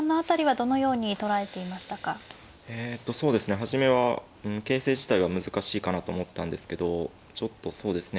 初めは形勢自体は難しいかなと思ったんですけどちょっとそうですね